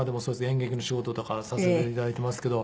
演劇の仕事とかさせて頂いていますけど。